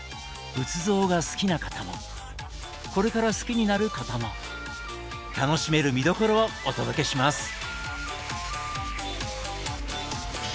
仏像が好きな方もこれから好きになる方も楽しめる見どころをお届けします！